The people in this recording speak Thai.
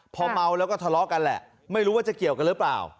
พอเมาแล้วก็ทะเลาะกันแหละไม่รู้ว่าจะเกี่ยวกันหรือเปล่า